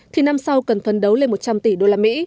thì năm sau cần phấn đấu lên một trăm linh tỷ usd